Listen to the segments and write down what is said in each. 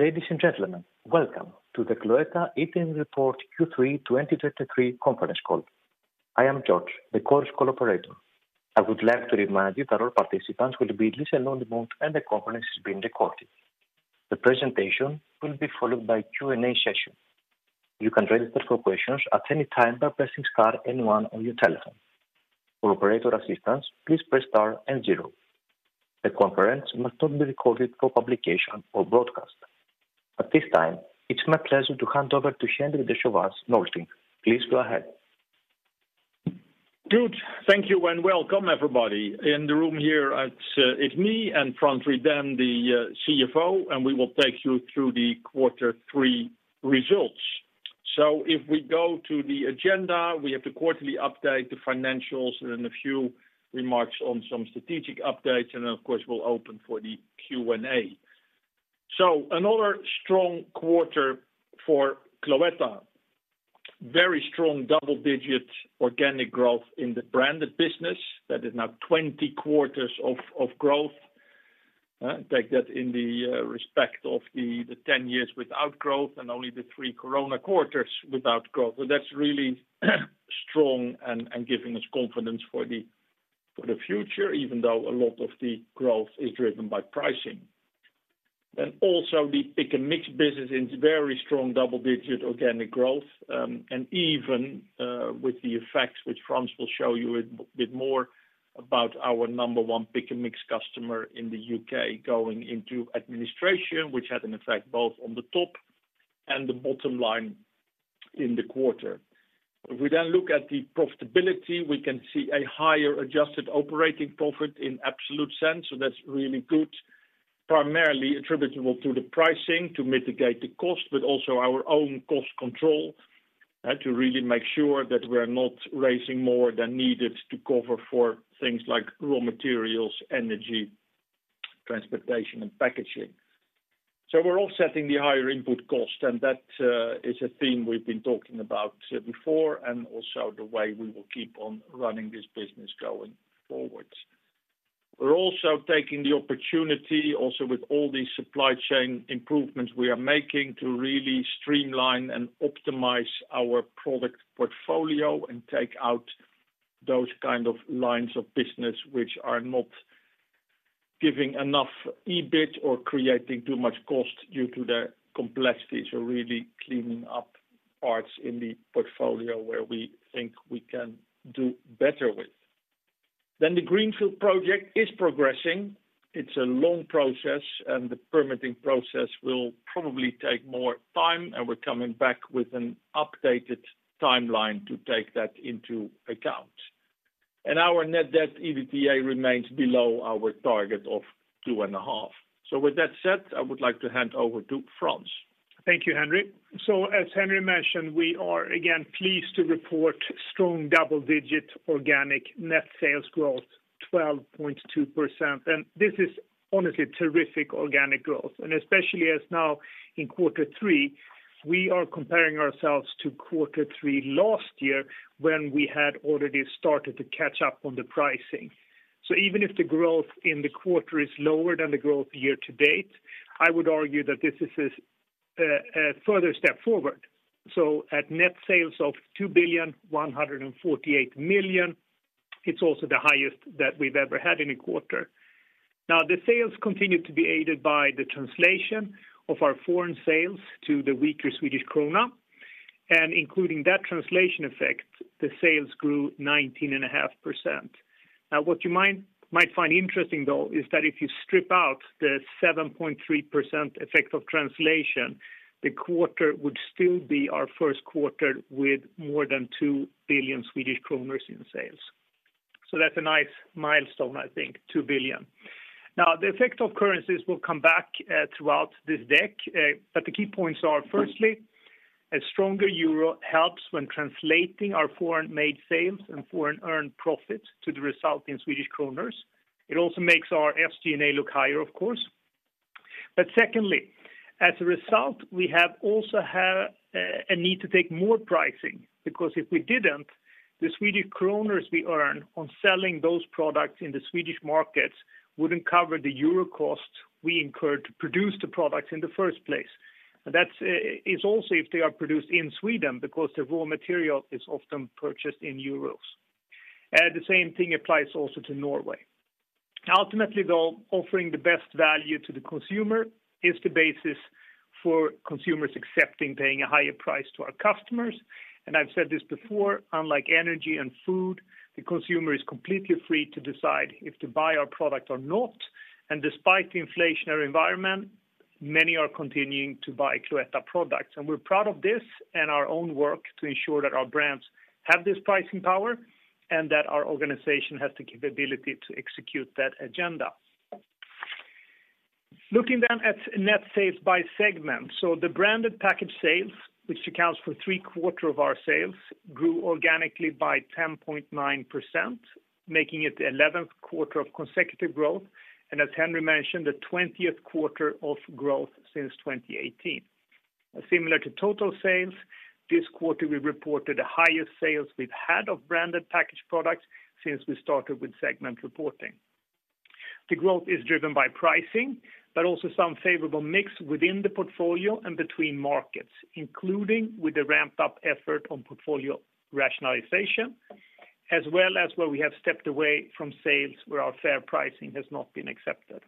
Ladies and gentlemen, welcome to the Cloetta Earnings Report Q3 2023 Conference Call. I am George, the conference call operator. I would like to remind you that all participants will be in listen-only mode, and the conference is being recorded. The presentation will be followed by Q&A session. You can register for questions at any time by pressing star and one on your telephone. For operator assistance, please press star and zero. The conference must not be recorded for publication or broadcast. At this time, it's my pleasure to hand over to Henri de Sauvage Nolting. Please go ahead. Good. Thank you, and welcome, everybody. In the room here, it's me and Frans Rydén, the CFO, and we will take you through the quarter three results. So if we go to the agenda, we have the quarterly update, the financials, and a few remarks on some strategic updates. And then, of course, we'll open for the Q&A. So another strong quarter for Cloetta. Very strong double-digit organic growth in the branded business. That is now 20 quarters of growth. Take that in the context of the 10 years without growth and only the 3 Corona quarters without growth. So that's really strong and giving us confidence for the future, even though a lot of the growth is driven by pricing. Then also, the Pick & Mix business is very strong double-digit organic growth, and even with the effects, which Frans will show you a bit more about our number one Pick & Mix customer in the U.K. going into administration, which had an effect both on the top and the bottom line in the quarter. If we then look at the profitability, we can see a higher adjusted operating profit in absolute sense, so that's really good. Primarily attributable to the pricing to mitigate the cost, but also our own cost control, and to really make sure that we're not raising more than needed to cover for things like raw materials, energy, transportation, and packaging. So we're offsetting the higher input cost, and that is a theme we've been talking about before and also the way we will keep on running this business going forwards. We're also taking the opportunity, also with all these supply chain improvements we are making, to really streamline and optimize our product portfolio and take out those kind of lines of business which are not giving enough EBIT or creating too much cost due to the complexities or really cleaning up parts in the portfolio where we think we can do better with. Then the greenfield project is progressing. It's a long process, and the permitting process will probably take more time, and we're coming back with an updated timeline to take that into account. Our Net debt/EBITDA remains below our target of 2.5. So with that said, I would like to hand over to Frans. Thank you, Henri. So, as Henri mentioned, we are again pleased to report strong double-digit organic net sales growth, 12.2%. This is honestly terrific organic growth, and especially as now in quarter three, we are comparing ourselves to quarter three last year, when we had already started to catch up on the pricing. So even if the growth in the quarter is lower than the growth year-to-date, I would argue that this is a further step forward. So at net sales of 2,148 million, it's also the highest that we've ever had in a quarter. Now, the sales continue to be aided by the translation of our foreign sales to the weaker Swedish krona, and including that translation effect, the sales grew 19.5%. Now, what you might find interesting, though, is that if you strip out the 7.3% effect of translation, the quarter would still be our Q1 with more than 2 billion Swedish kronor in sales. So that's a nice milestone, I think, 2 billion. Now, the effect of currencies will come back throughout this deck, but the key points are, firstly, a stronger euro helps when translating our foreign-made sales and foreign earned profits to the result in SEK. It also makes our SG&A look higher, of course. But secondly, as a result, we have also had a need to take more pricing, because if we didn't, the SEK we earn on selling those products in the Swedish markets wouldn't cover the EUR cost we incurred to produce the products in the first place. That's... It's also if they are produced in Sweden, because the raw material is often purchased in euros. The same thing applies also to Norway. Ultimately, though, offering the best value to the consumer is the basis for consumers accepting paying a higher price to our customers. And I've said this before, unlike energy and food, the consumer is completely free to decide if to buy our product or not. And despite the inflationary environment, many are continuing to buy Cloetta products, and we're proud of this and our own work to ensure that our brands have this pricing power and that our organization has the capability to execute that agenda. Looking then at net sales by segment. So the branded package sales, which accounts for three-quarters of our sales, grew organically by 10.9%, making it the 11th quarter of consecutive growth, and as Henri mentioned, the 20th quarter of growth since 2018. Similar to total sales, this quarter, we reported the highest sales we've had of branded packaged products since we started with segment reporting. The growth is driven by pricing, but also some favorable mix within the portfolio and between markets, including with the ramped-up effort on portfolio rationalization, as well as where we have stepped away from sales, where our fair pricing has not been accepted.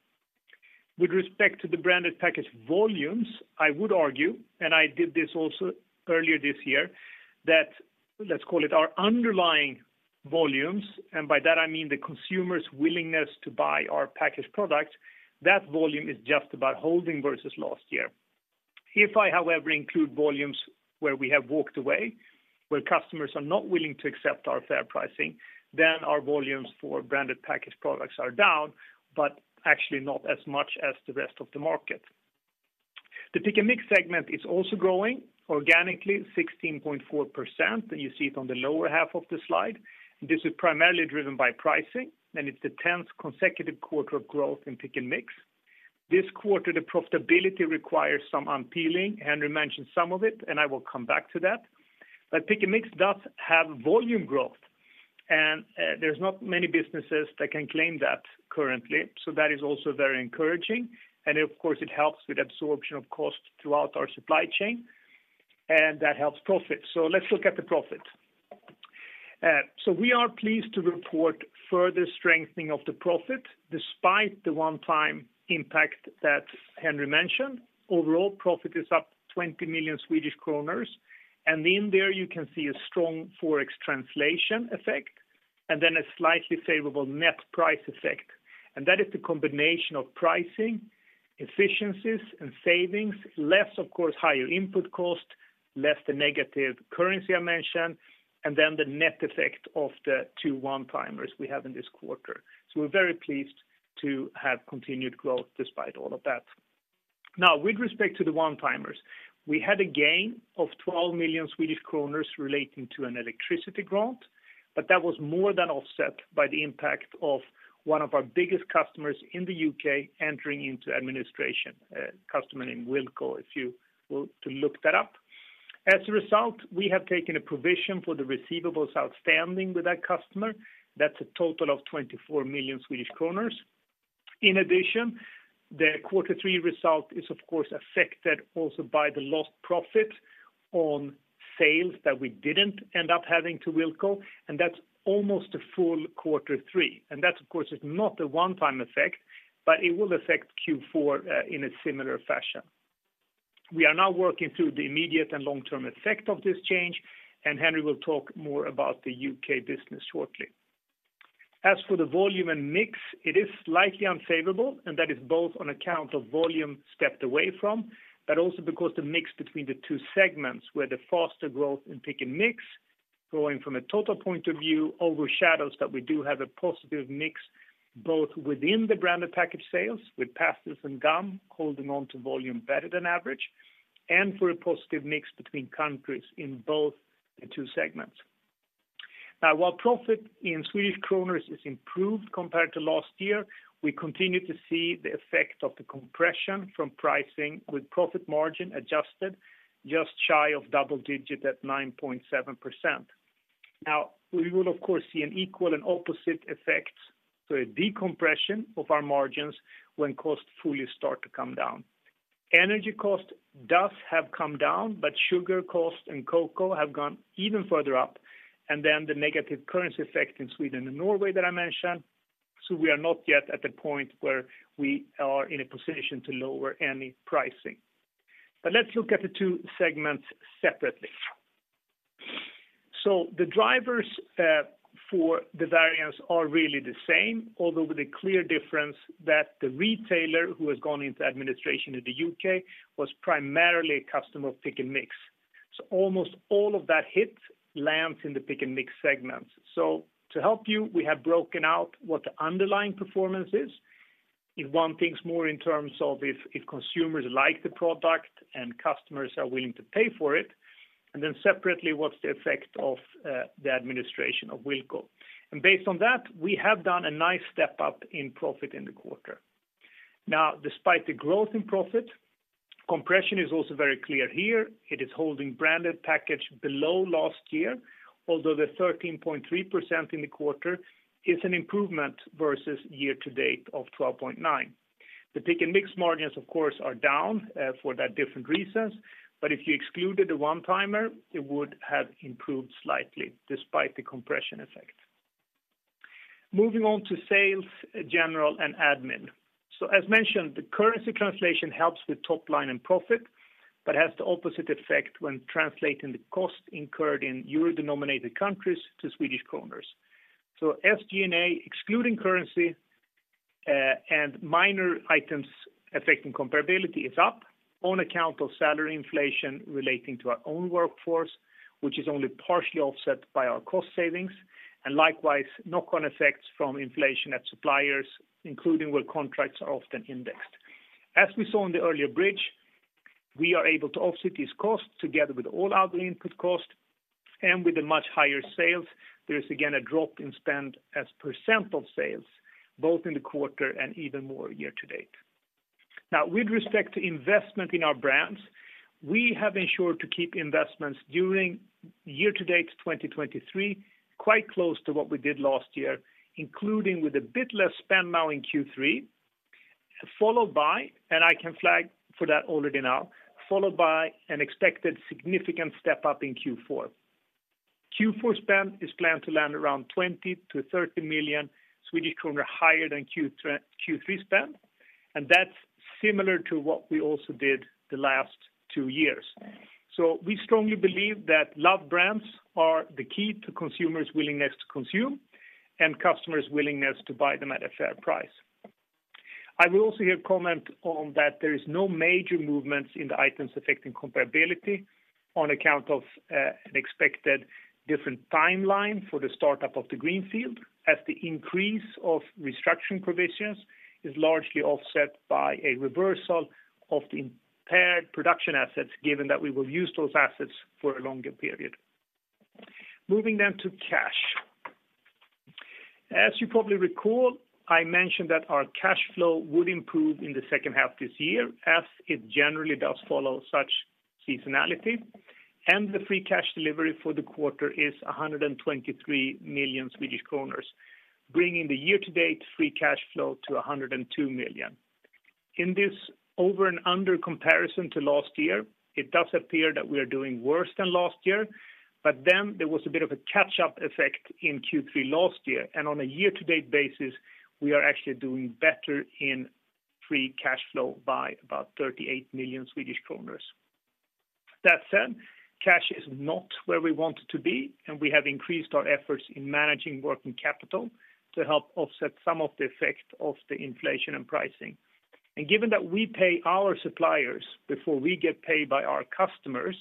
With respect to the branded packaged volumes, I would argue, and I did this also earlier this year, that let's call it our underlying volumes, and by that I mean the consumer's willingness to buy our packaged products. That volume is just about holding versus last year. If I, however, include volumes where we have walked away, where customers are not willing to accept our fair pricing, then our volumes for branded packaged products are down, but actually not as much as the rest of the market. The Pick & Mix segment is also growing organically, 16.4%, and you see it on the lower half of the slide. This is primarily driven by pricing, and it's the 10th consecutive quarter of growth in Pick & Mix. This quarter, the profitability requires some unpeeling. Henri mentioned some of it, and I will come back to that. But Pick & Mix does have volume growth, and there's not many businesses that can claim that currently, so that is also very encouraging. Of course, it helps with absorption of cost throughout our supply chain, and that helps profit. So let's look at the profit. So we are pleased to report further strengthening of the profit, despite the one-time impact that Henri mentioned. Overall, profit is up 20 million Swedish kronor, and in there you can see a strong Forex translation effect, and then a slightly favorable net price effect. And that is the combination of pricing, efficiencies, and savings, less, of course, higher input cost, less the negative currency I mentioned, and then the net effect of the two one-timers we have in this quarter. So we're very pleased to have continued growth despite all of that. Now, with respect to the one-timers, we had a gain of 12 million Swedish kronor relating to an electricity grant, but that was more than offset by the impact of one of our biggest customers in the U.K. entering into administration, a customer named Wilko, if you were to look that up. As a result, we have taken a provision for the receivables outstanding with that customer. That's a total of 24 million Swedish kronor. In addition, the quarter three result is, of course, affected also by the lost profit on sales that we didn't end up having to Wilko, and that's almost a full quarter three. And that, of course, is not a one-time effect, but it will affect Q4 in a similar fashion. We are now working through the immediate and long-term effect of this change, and Henri will talk more about the U.K. business shortly. As for the volume and mix, it is slightly unfavorable, and that is both on account of volume stepped away from, but also because the mix between the two segments, where the faster growth in Pick & Mix, growing from a total point of view, overshadows that we do have a positive mix, both within the branded package sales, with pastilles and gum, holding on to volume better than average, and for a positive mix between countries in both the two segments. Now, while profit in Swedish kronors is improved compared to last year, we continue to see the effect of the compression from pricing with profit margin adjusted just shy of double digit at 9.7%. Now, we will, of course, see an equal and opposite effect, so a decompression of our margins when costs fully start to come down. Energy cost does have come down, but sugar cost and cocoa have gone even further up, and then the negative currency effect in Sweden and Norway that I mentioned. So we are not yet at the point where we are in a position to lower any pricing. But let's look at the two segments separately. So the drivers for the variance are really the same, although with a clear difference that the retailer who has gone into administration in the U.K. was primarily a customer of Pick & Mix. So almost all of that hit lands in the Pick & Mix segments. So to help you, we have broken out what the underlying performance is. If one thinks more in terms of if, if consumers like the product and customers are willing to pay for it, and then separately, what's the effect of the administration of Wilko? And based on that, we have done a nice step up in profit in the quarter. Now, despite the growth in profit, compression is also very clear here. It is holding branded package below last year, although the 13.3% in the quarter is an improvement versus year to date of 12.9%. The Pick & Mix margins, of course, are down, for that different reasons, but if you excluded the one-timer, it would have improved slightly despite the compression effect. Moving on to sales, general, and admin. So, as mentioned, the currency translation helps with top line and profit, but has the opposite effect when translating the cost incurred in euro-denominated countries to Swedish kronor. So SG&A, excluding currency and minor items affecting comparability, is up on account of salary inflation relating to our own workforce, which is only partially offset by our cost savings, and likewise, knock-on effects from inflation at suppliers, including where contracts are often indexed. As we saw in the earlier bridge, we are able to offset these costs together with all other input costs and with the much higher sales, there is again a drop in spend as % of sales, both in the quarter and even more year to date. Now, with respect to investment in our brands, we have ensured to keep investments during year to date 2023, quite close to what we did last year, including with a bit less spend now in Q3, followed by, and I can flag for that already now, followed by an expected significant step up in Q4. Q4 spend is planned to land around 20 million-30 million Swedish kronor, higher than Q3 spend, and that's similar to what we also did the last two years. So we strongly believe that love brands are the key to consumers' willingness to consume and customers' willingness to buy them at a fair price. I will also here comment on that there is no major movements in the items affecting comparability on account of an expected different timeline for the startup of the Greenfield, as the increase of restructuring provisions is largely offset by a reversal of the impaired production assets, given that we will use those assets for a longer period. Moving then to cash. As you probably recall, I mentioned that our cash flow would improve in the second half this year, as it generally does follow such seasonality, and the free cash delivery for the quarter is 123 million Swedish kronor, bringing the year-to-date free cash flow to 102 million. In this over and under comparison to last year, it does appear that we are doing worse than last year, but then there was a bit of a catch-up effect in Q3 last year, and on a year-to-date basis, we are actually doing better in free cash flow by about 38 million Swedish kronor. That said, cash is not where we want it to be, and we have increased our efforts in managing working capital to help offset some of the effect of the inflation and pricing. And given that we pay our suppliers before we get paid by our customers,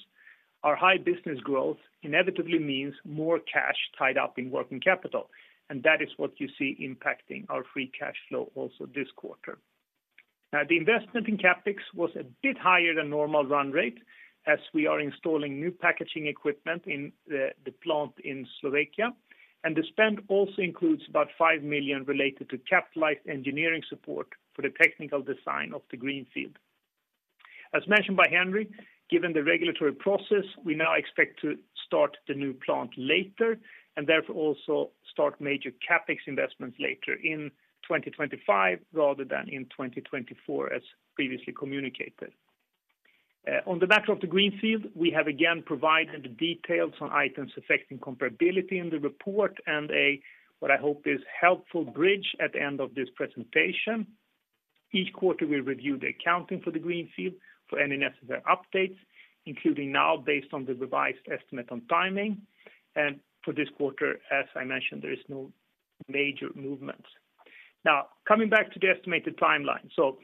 our high business growth inevitably means more cash tied up in working capital, and that is what you see impacting our free cash flow also this quarter. Now, the investment in CapEx was a bit higher than normal run rate, as we are installing new packaging equipment in the plant in Slovakia, and the spend also includes about 5 million related to capitalized engineering support for the technical design of the Greenfield. As mentioned by Henri, given the regulatory process, we now expect to start the new plant later, and therefore also start major CapEx investments later in 2025 rather than in 2024, as previously communicated. On the back of the Greenfield, we have again provided the details on items affecting comparability in the report and a, what I hope is helpful bridge at the end of this presentation. Each quarter, we review the accounting for the Greenfield for any necessary updates, including now based on the revised estimate on timing. And for this quarter, as I mentioned, there is no major movement. Now, coming back to the estimated timeline. So,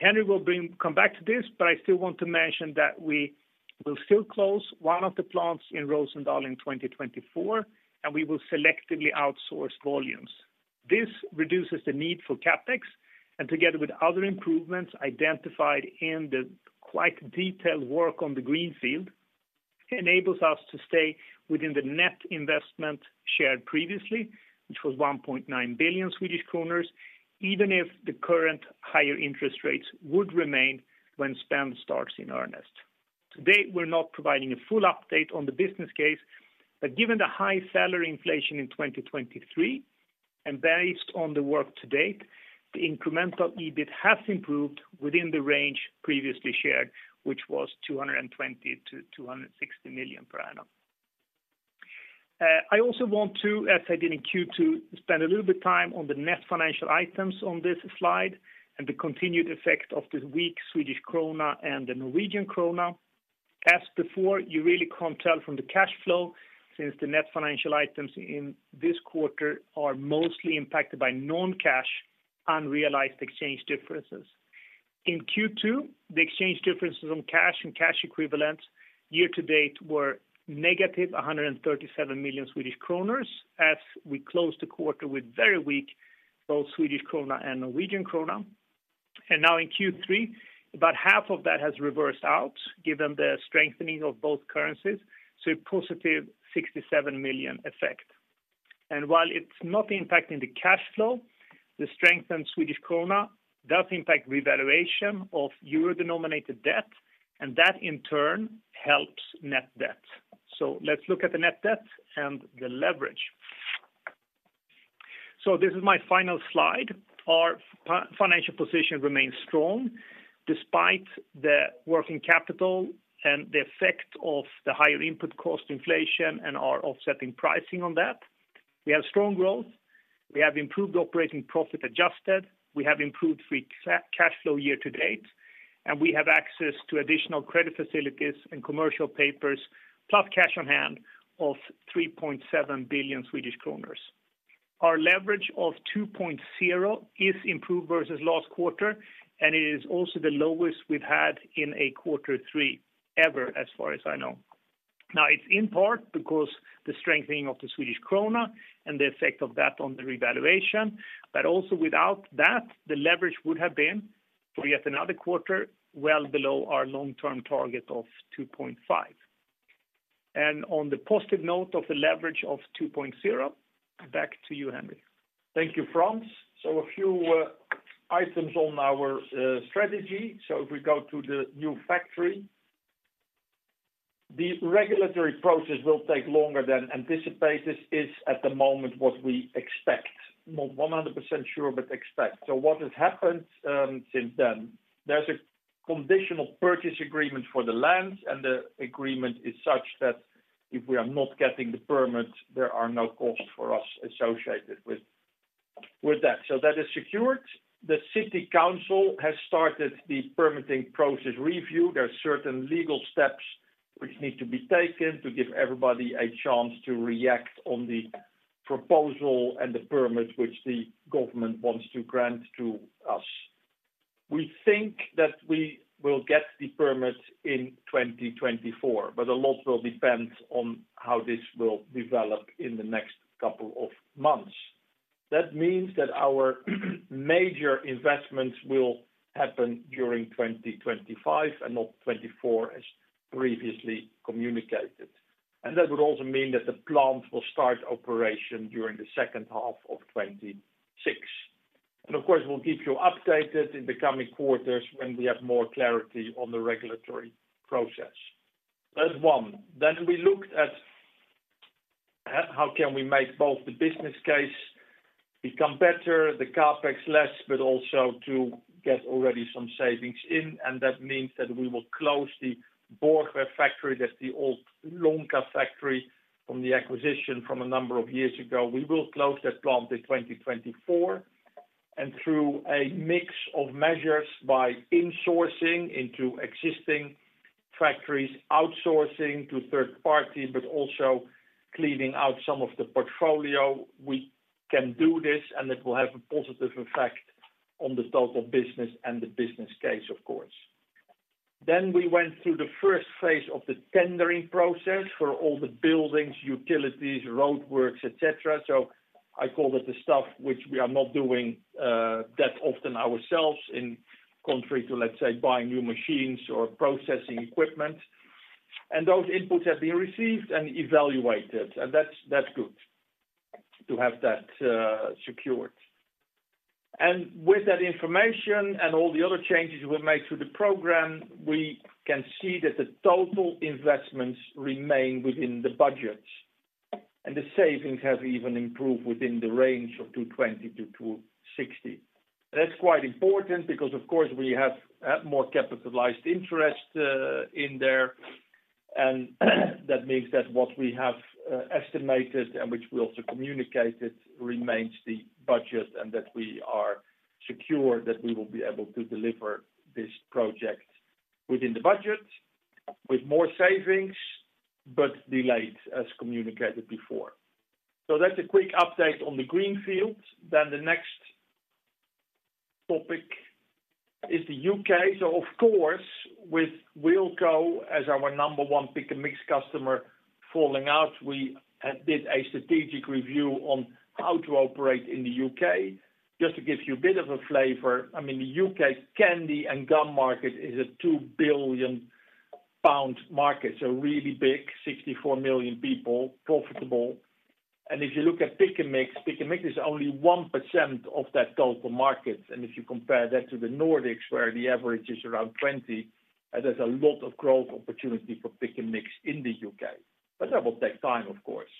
Henri will come back to this, but I still want to mention that we will still close one of the plants in Roosendaal in 2024, and we will selectively outsource volumes. This reduces the need for CapEx, and together with other improvements identified in the quite detailed work on the Greenfield, enables us to stay within the net investment shared previously, which was 1.9 billion Swedish kronor, even if the current higher interest rates would remain when spend starts in earnest. Today, we're not providing a full update on the business case, but given the high salary inflation in 2023, and based on the work to date, the incremental EBIT has improved within the range previously shared, which was 220-260 million per annum. I also want to, as I did in Q2, spend a little bit time on the net financial items on this slide and the continued effect of the weak Swedish krona and the Norwegian krona. As before, you really can't tell from the cash flow since the net financial items in this quarter are mostly impacted by non-cash, unrealized exchange differences. In Q2, the exchange differences on cash and cash equivalents year to date were negative 137 million Swedish kronor, as we closed the quarter with very weak, both Swedish krona and Norwegian krona. And now in Q3, about half of that has reversed out, given the strengthening of both currencies, so a positive 67 million effect. And while it's not impacting the cash flow, the strength in Swedish krona does impact revaluation of euro-denominated debt, and that in turn, helps net debt. So let's look at the net debt and the leverage. So this is my final slide. Our financial position remains strong despite the working capital and the effect of the higher input cost inflation and our offsetting pricing on that. We have strong growth, we have improved operating profit adjusted, we have improved free cash flow year to date, and we have access to additional credit facilities and commercial papers, plus cash on hand of 3.7 billion Swedish kronor. Our leverage of 2.0 is improved versus last quarter, and it is also the lowest we've had in a quarter three, ever, as far as I know. Now, it's in part because the strengthening of the Swedish krona and the effect of that on the revaluation, but also without that, the leverage would have been for yet another quarter, well below our long-term target of 2.5. On the positive note of the leverage of 2.0, back to you, Henri. Thank you, Frans. So a few items on our strategy. So if we go to the new factory, the regulatory process will take longer than anticipated. This is at the moment what we expect. Not 100% sure, but expect. So what has happened since then? There's a conditional purchase agreement for the land, and the agreement is such that if we are not getting the permit, there are no costs for us associated with that. So that is secured. The city council has started the permitting process review. There are certain legal steps which need to be taken to give everybody a chance to react on the proposal and the permit, which the government wants to grant to us. We think that we will get the permit in 2024, but a lot will depend on how this will develop in the next couple of months. That means that our major investments will happen during 2025 and not 2024, as previously communicated. And that would also mean that the plant will start operation during the second half of 2026. And of course, we'll keep you updated in the coming quarters when we have more clarity on the regulatory process. That's one. Then we looked at how can we make both the business case become better, the CapEx less, but also to get already some savings in, and that means that we will close the Borchwerf factory. That's the old Lonka factory from the acquisition from a number of years ago. We will close that plant in 2024, and through a mix of measures by insourcing into existing factories, outsourcing to third party, but also cleaning out some of the portfolio. We can do this, and it will have a positive effect on the total business and the business case, of course. Then we went through the first phase of the tendering process for all the buildings, utilities, roadworks, et cetera. So I call it the stuff which we are not doing that often ourselves in contrary to, let's say, buying new machines or processing equipment. And those inputs have been received and evaluated, and that's good to have that secured. With that information and all the other changes we've made to the program, we can see that the total investments remain within the budget, and the savings have even improved within the range of 220-260 million. That's quite important because, of course, we have more capitalized interest in there. That means that what we have estimated and which we also communicated remains the budget and that we are secure that we will be able to deliver this project within the budget with more savings, but delayed, as communicated before. That's a quick update on the Greenfield. The next topic is the U.K. Of course, with Wilko as our number one Pick & Mix customer falling out, we did a strategic review on how to operate in the U.K. Just to give you a bit of a flavor, I mean, the U.K. candy and gum market is a 2 billion pound market, so really big, 64 million people, profitable. If you look at Pick & Mix, Pick & Mix is only 1% of that total market. If you compare that to the Nordics, where the average is around 20%, there's a lot of growth opportunity for Pick & Mix in the U.K., but that will take time, of course.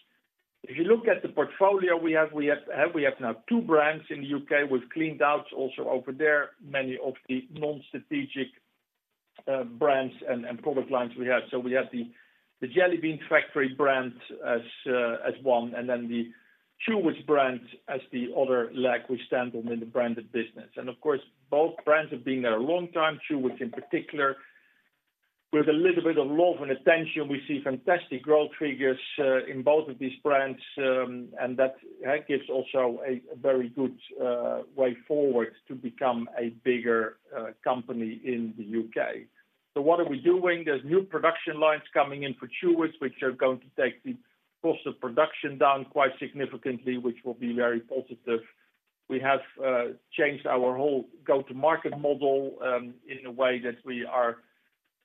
If you look at the portfolio we have, we have now 2 brands in the U.K. We've cleaned out also over there, many of the non-strategic brands and product lines we have. So we have the Jelly Bean Factory brand as one, and then the Chewits brand as the other leg we stand on in the branded business. Of course, both brands have been there a long time. Chewits, in particular, with a little bit of love and attention, we see fantastic growth figures in both of these brands, and that gives also a very good way forward to become a bigger company in the U.K. So what are we doing? There's new production lines coming in for Chewits, which are going to take the cost of production down quite significantly, which will be very positive. We have changed our whole go-to-market model in a way that we are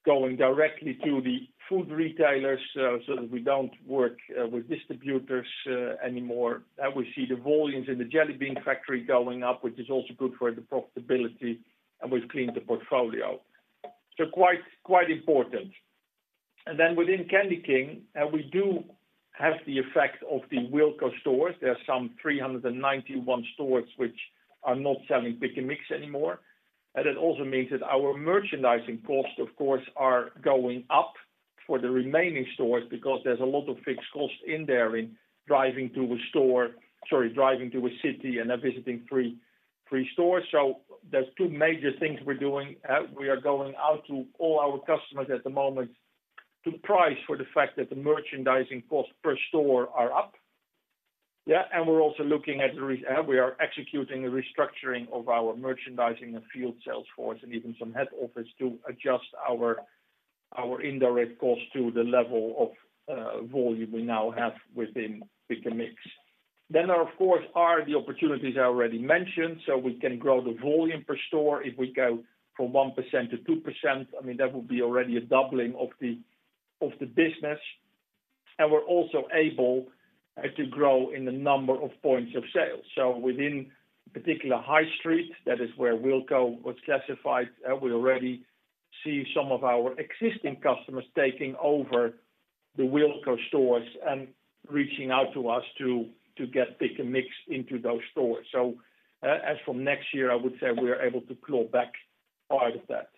going directly to the food retailers, so that we don't work with distributors anymore. And we see the volumes in The Jelly Bean Factory going up, which is also good for the profitability, and we've cleaned the portfolio. So quite important. And then within Candyking, we do have the effect of the Wilko stores. There are some 391 stores which are not selling Pick & Mix anymore. And it also means that our merchandising costs, of course, are going up for the remaining stores because there's a lot of fixed costs in there in driving to a store, sorry, driving to a city and then visiting three, three stores. So there's two major things we're doing. We are going out to all our customers at the moment to price for the fact that the merchandising costs per store are up. Yeah, and we're also executing a restructuring of our merchandising and field sales force and even some head office to adjust our indirect cost to the level of volume we now have within Pick & Mix. Then, of course, are the opportunities I already mentioned, so we can grow the volume per store. If we go from 1% to 2%, I mean, that would be already a doubling of the business, and we're also able to grow in the number of points of sale. So within particular high street, that is where Wilko was classified, we already see some of our existing customers taking over the Wilko stores and reaching out to us to get Pick & Mix into those stores. So, as from next year, I would say we are able to claw back part of that.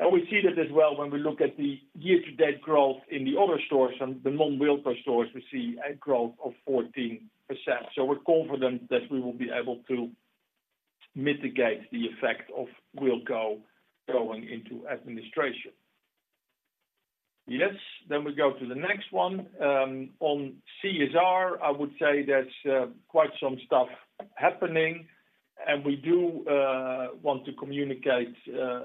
And we see that as well when we look at the year-to-date growth in the other stores, and the non-Wilko stores, we see a growth of 14%. So we're confident that we will be able to mitigate the effect of Wilko going into administration. Yes, then we go to the next one. On CSR, I would say there's quite some stuff happening, and we do want to communicate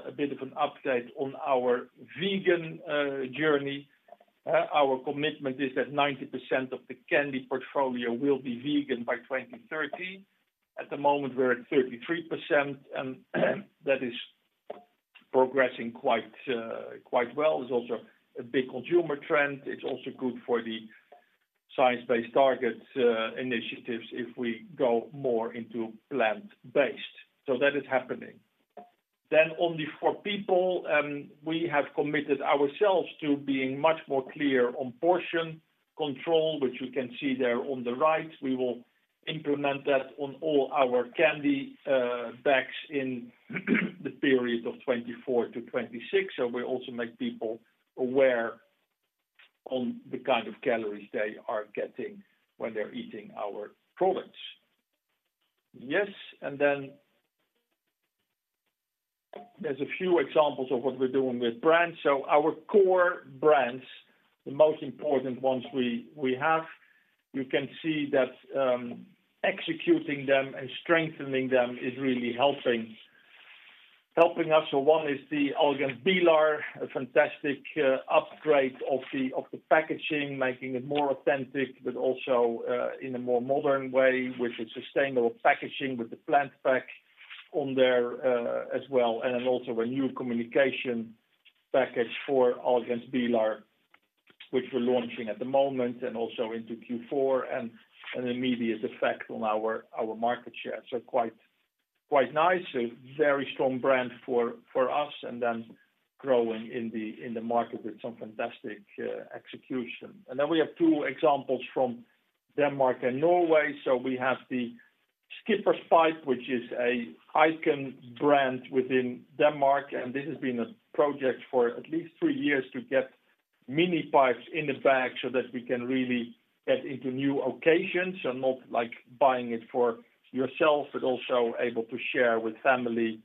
a bit of an update on our vegan journey. Our commitment is that 90% of the candy portfolio will be vegan by 2030. At the moment, we're at 33%, and that is progressing quite, quite well. There's also a big consumer trend. It's also good for the Science Based Targets initiative if we go more into plant-based. So that is happening. Then only for people, we have committed ourselves to being much more clear on portion control, which you can see there on the right. We will implement that on all our candy packs in the period of 2024-2026, and we also make people aware on the kind of calories they are getting when they're eating our products. Yes, and then there's a few examples of what we're doing with brands. So our core brands, the most important ones we, we have, you can see that, executing them and strengthening them is really helping, helping us. So one is the Ahlgrens Bilar, a fantastic upgrade of the, of the packaging, making it more authentic, but also in a more modern way, with a sustainable packaging, with the PlantPack on there as well, and then also a new communication package for Ahlgrens Bilar, which we're launching at the moment and also into Q4, and an immediate effect on our, our market share. So quite, quite nice, a very strong brand for us, and then growing in the market with some fantastic execution. And then we have two examples from Denmark and Norway. So we have the Skipper's Pipes, which is an iconic brand within Denmark, and this has been a project for at least three years to get mini pipes in the bag so that we can really get into new occasions, and not like buying it for yourself, but also able to share with family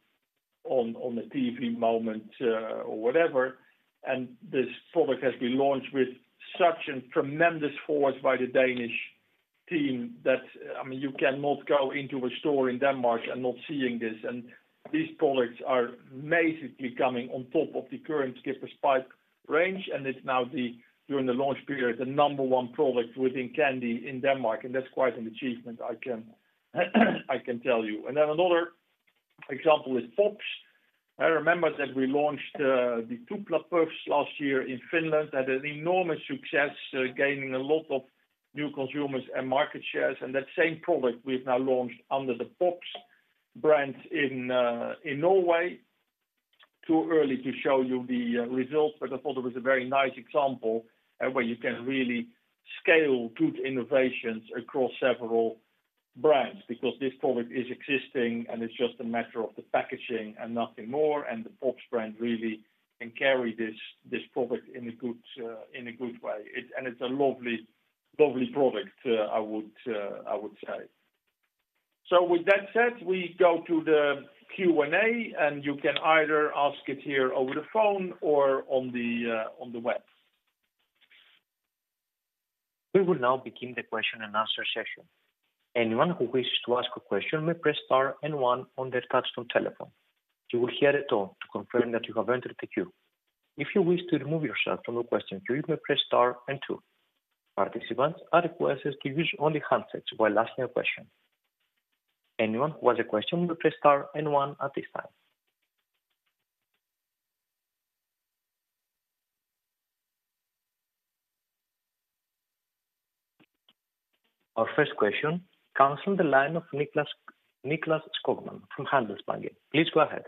on the TV moment or whatever. And this product has been launched with such a tremendous force by the Danish team that, I mean, you cannot go into a store in Denmark and not seeing this. These products are basically coming on top of the current Skipper's Pipes range, and it's now, during the launch period, the number one product within candy in Denmark, and that's quite an achievement, I can tell you. Another example is Pops. I remember that we launched the Tupla Puffs last year in Finland. Had an enormous success, gaining a lot of new consumers and market shares, and that same product we've now launched under the Pops brand in Norway. Too early to show you the results, but I thought it was a very nice example of where you can really scale good innovations across several brands, because this product is existing and it's just a matter of the packaging and nothing more, and the Pops brand really can carry this product in a good way. And it's a lovely, lovely product, I would say. So with that said, we go to the Q&A, and you can either ask it here over the phone or on the web. We will now begin the question and answer session. Anyone who wishes to ask a question may press star and one on their touch-tone telephone. You will hear a tone to confirm that you have entered the queue. If you wish to remove yourself from the question queue, you may press star and two. Participants are requested to use only handsets while asking a question. Anyone who has a question, may press star and one at this time. Our first question comes from the line of Nicklas, Nicklas Skogman from Handelsbanken. Please go ahead.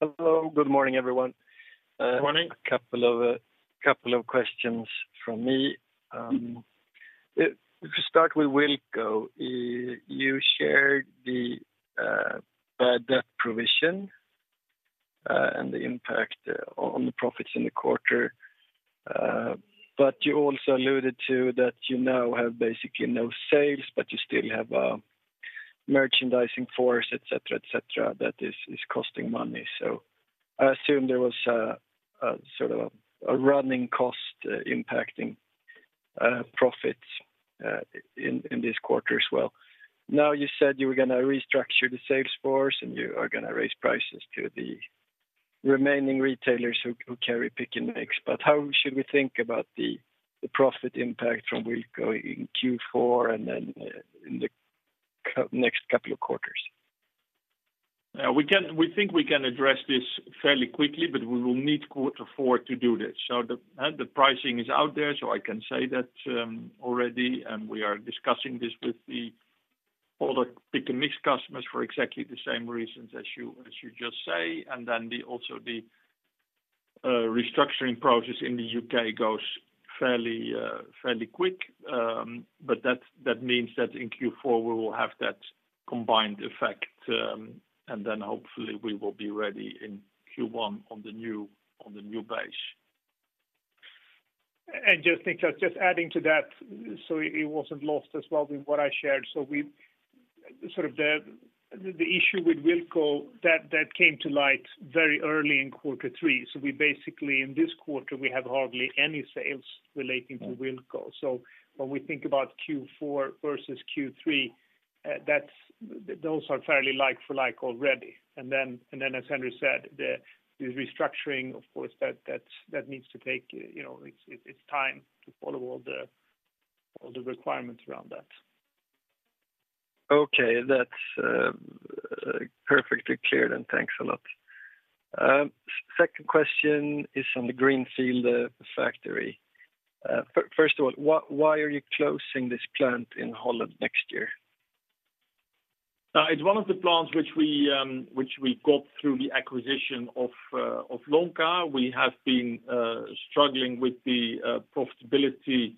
Hello, good morning, everyone. Good morning. A couple of questions from me. If we start with Wilko, you shared the bad debt provision and the impact on the profits in the quarter. But you also alluded to that you now have basically no sales, but you still have a merchandising force, et cetera, et cetera, that is costing money. So I assume there was a sort of running cost impacting profits in this quarter as well. Now, you said you were going to restructure the sales force, and you are going to raise prices to the remaining retailers who carry Pick & Mix. But how should we think about the profit impact from Wilko in Q4 and then in the next couple of quarters? We think we can address this fairly quickly, but we will need quarter four to do this. So the pricing is out there, so I can say that already, and we are discussing this with all the Pick & Mix customers for exactly the same reasons as you just say. And then also the restructuring process in the U.K. goes fairly quick. But that means that in Q4 we will have that combined effect, and then hopefully we will be ready in Q1 on the new base. And just think, just adding to that, so it wasn't lost as well with what I shared. So we sort of the issue with Wilko, that came to light very early in quarter three. So we basically, in this quarter, we have hardly any sales relating to Wilko. So when we think about Q4 versus Q3, that's those are fairly like for like already. And then, as Henri said, the restructuring, of course, that needs to take, you know, it's time to follow all the requirements around that. Okay, that's perfectly clear, and thanks a lot. Second question is on the Greenfield factory. First of all, why are you closing this plant in Holland next year? It's one of the plants which we got through the acquisition of Lonka. We have been struggling with the profitability of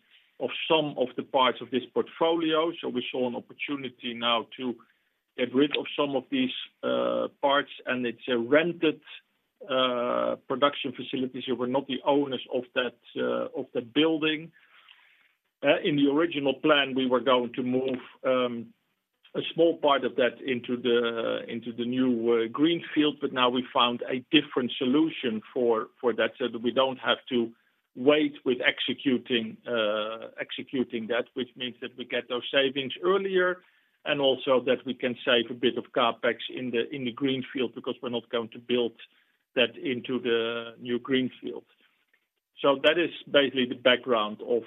some of the parts of this portfolio, so we saw an opportunity now to get rid of some of these parts, and it's a rented production facilities. We were not the owners of that of the building. In the original plan, we were going to move a small part of that into the new Greenfield, but now we found a different solution for that, so that we don't have to wait with executing that, which means that we get those savings earlier and also that we can save a bit of CapEx in the Greenfield, because we're not going to build that into the new Greenfield. So that is basically the background of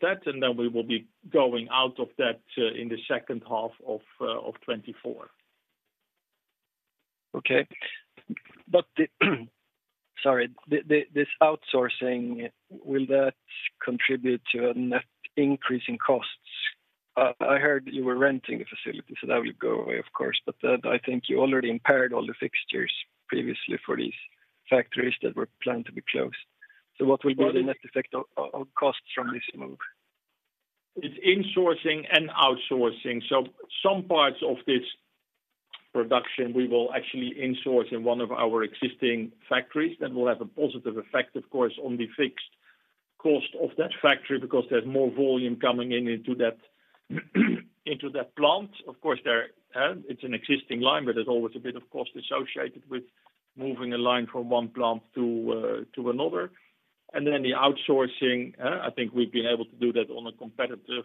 that, and then we will be going out of that in the second half of 2024. Okay. But sorry, this outsourcing, will that contribute to a net increase in costs? I heard you were renting the facility, so that will go away, of course, but that I think you already impaired all the fixtures previously for these factories that were planned to be closed. So what will be the net effect of costs from this move? It's insourcing and outsourcing. So some parts of this production, we will actually insource in one of our existing factories. That will have a positive effect, of course, on the fixed cost of that factory because there's more volume coming in into that, into that plant. Of course, there, it's an existing line, but there's always a bit of cost associated with moving a line from one plant to to another. And then the outsourcing, I think we've been able to do that on a competitive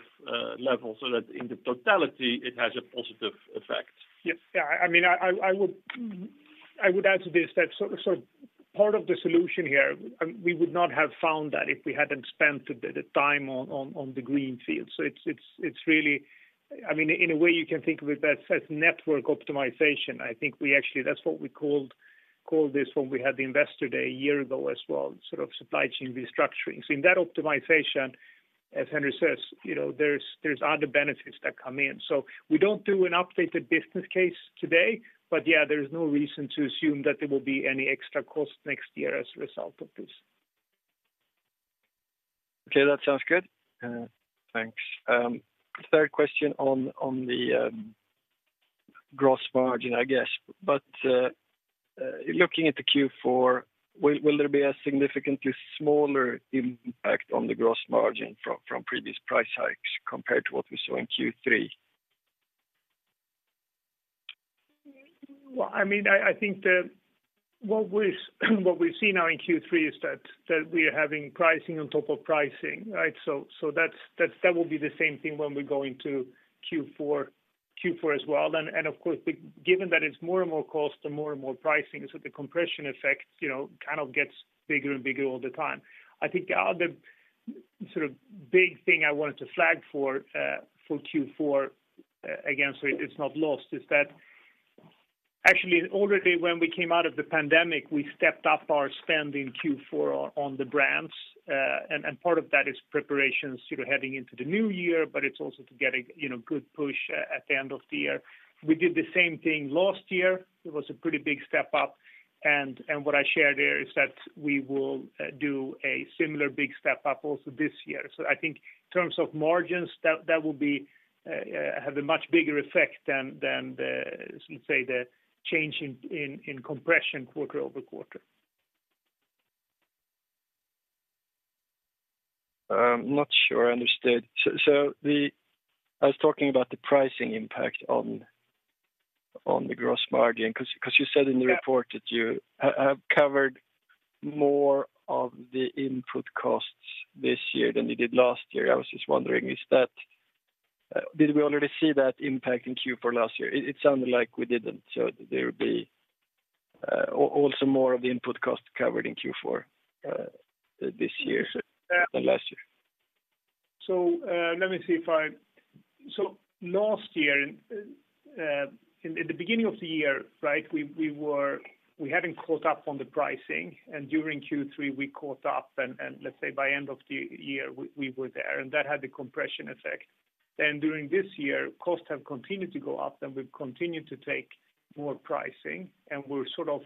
level so that in the totality, it has a positive effect. Yes. Yeah, I mean, I would add to this, that so part of the solution here, we would not have found that if we hadn't spent the time on the Greenfield. So it's really... I mean, in a way, you can think of it as network optimization. I think we actually, that's what we called this when we had the Investor Day a year ago as well, sort of supply chain restructuring. So in that optimization, as Henri says, you know, there's other benefits that come in. So we don't do an updated business case today, but yeah, there is no reason to assume that there will be any extra cost next year as a result of this. Okay, that sounds good. Thanks. Third question on the gross margin, I guess. But looking at the Q4, will there be a significantly smaller impact on the gross margin from previous price hikes compared to what we saw in Q3? Well, I mean, I think what we've seen now in Q3 is that we are having pricing on top of pricing, right? So that's that will be the same thing when we go into Q4 as well. And of course, given that it's more and more cost and more and more pricing, so the compression effect, you know, kind of gets bigger and bigger all the time. I think the other sort of big thing I wanted to flag for Q4 again, so it's not lost, is that actually, already when we came out of the pandemic, we stepped up our spend in Q4 on the brands. And part of that is preparations, you know, heading into the new year, but it's also to get a, you know, good push at the end of the year. We did the same thing last year. It was a pretty big step up, and what I shared there is that we will do a similar big step up also this year. So I think in terms of margins, that will be have a much bigger effect than the, let's say, the change in compression quarter-over-quarter. I'm not sure I understood. So, I was talking about the pricing impact on the gross margin, 'cause you said in the report that you have covered more of the input costs this year than you did last year. I was just wondering, is that. Did we already see that impact in Q4 last year? It sounded like we didn't, so there would be also more of the input costs covered in Q4 this year than last year. So, let me see if I-- So last year, and, in the beginning of the year, right? We hadn't caught up on the pricing, and during Q3, we caught up, and let's say by end of the year, we were there, and that had a compression effect. Then during this year, costs have continued to go up, and we've continued to take more pricing, and we're sort of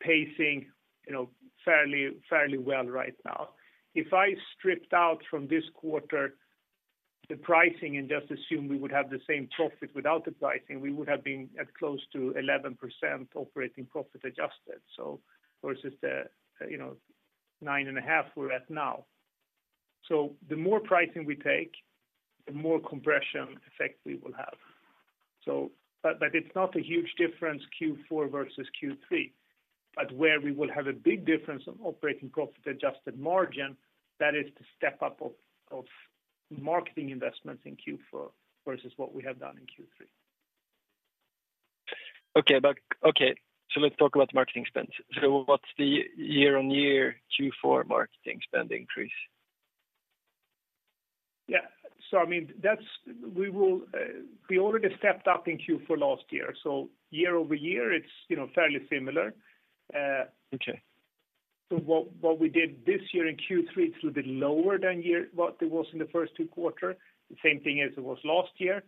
pacing, you know, fairly well right now. If I stripped out from this quarter the pricing and just assume we would have the same profit without the pricing, we would have been at close to 11% operating profit adjusted. So versus the, you know, 9.5% we're at now. So the more pricing we take, the more compression effect we will have. So, but it's not a huge difference, Q4 versus Q3, but where we will have a big difference on operating profit adjusted margin, that is the step up of marketing investments in Q4 versus what we have done in Q3. Okay, so let's talk about marketing expenses. So what's the year-on-year Q4 marketing spend increase? Yeah. So I mean, we will. We already stepped up in Q4 last year, so year-over-year, it's, you know, fairly similar. Okay. So what we did this year in Q3, it's a little bit lower than what it was in the first two quarters. The same thing as it was last year.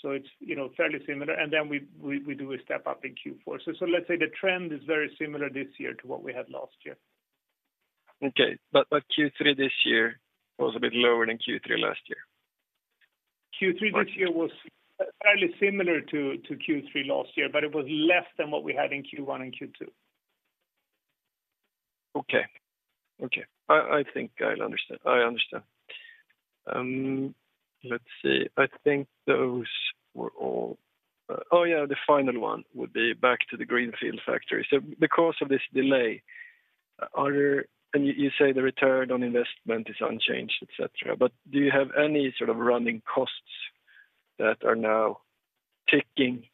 So it's, you know, fairly similar, and then we do a step up in Q4. So let's say the trend is very similar this year to what we had last year. Okay. But, but Q3 this year was a bit lower than Q3 last year? Q3 this year was fairly similar to Q3 last year, but it was less than what we had in Q1 and Q2. Okay. Okay, I, I think I understand, I understand. Let's see. I think those were all... Oh, yeah, the final one would be back to the Greenfield factory. So because of this delay, are there, and you, you say the return on investment is unchanged, et cetera, et cetera, but do you have any sort of running costs that are now ticking,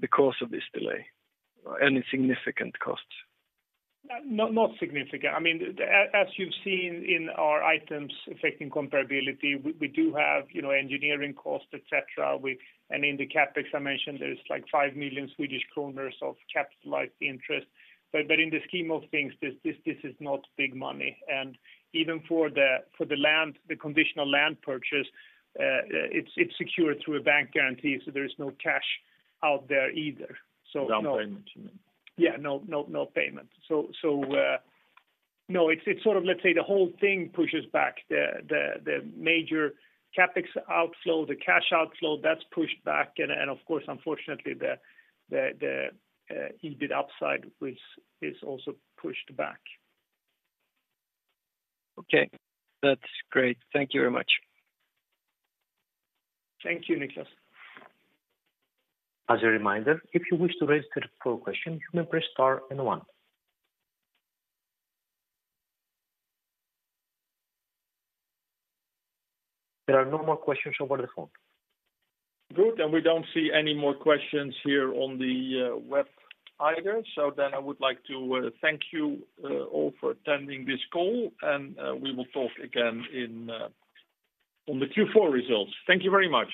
because of this delay? Any significant costs? No, not significant. I mean, as you've seen in our items affecting comparability, we do have, you know, engineering costs, et cetera. And in the CapEx, I mentioned there's like 5 million Swedish kronor of capitalized interest. But in the scheme of things, this is not big money, and even for the land, the conditional land purchase, it's secured through a bank guarantee, so there is no cash out there either. So no- Down payment, you mean? Yeah, no, no, no payment. So, no, it's sort of, let's say, the whole thing pushes back the major CapEx outflow, the cash outflow, that's pushed back, and of course, unfortunately, the EBIT upside is also pushed back. Okay, that's great. Thank you very much. Thank you, Nicklas. As a reminder, if you wish to raise the floor question, you may press star and one. There are no more questions over the phone. Good, and we don't see any more questions here on the web either. So then I would like to thank you all for attending this call, and we will talk again in on the Q4 results. Thank you very much.